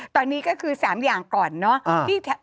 ตอนนี้ก็คือ๓อย่างก่อนเนอะ